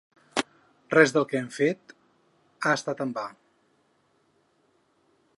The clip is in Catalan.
Res del que hem fet ha estat en va.